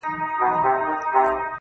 د هر علم په برخه کې